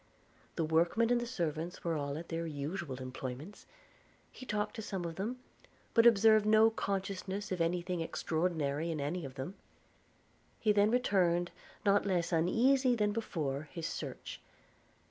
The workmen and servants were all at their usual employments. He talked to some of them, but observed no consciousness of any thing extraordinary in any of them. He then returned, not less uneasy than before his search.